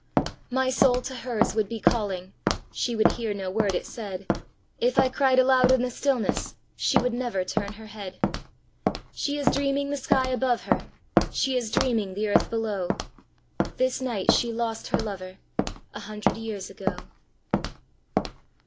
My soul to hers would be calling She would hear no word it said; If I cried aloud in the stillness, She would never turn her head! She is dreaming the sky above her, She is dreaming the earth below: This night she lost her lover, A hundred years ago.